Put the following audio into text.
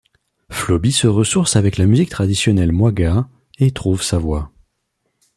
Floby se ressource avec la musique traditionnelle moaga et trouve sa voie.